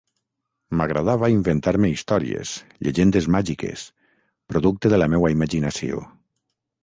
M'agradava inventar-me històries, llegendes màgiques, producte de la meua imaginació.